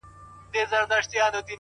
• اشنا پوښتني ته مي راسه,